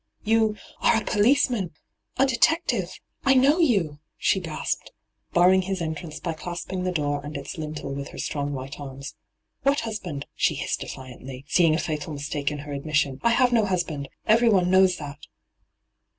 ' Yon — are a poHceman — a detective ! I know you r she gasped, barring his entrance by clasping the door and its lintel with her strong white arms. ' What husband V she hissed defiantly, seeing a fatal mistake in her admission. ' I have no husband ! Everyone knows that